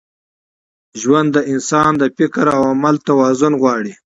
ژوند د انسان د فکر او عمل توازن غواړي.